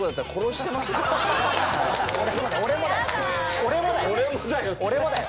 俺もだよ。